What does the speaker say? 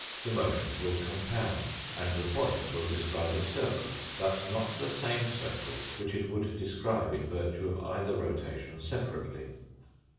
The motions will compound, and the point will describe a circle, but not the same circle which it would describe in virtue of either rotation separately.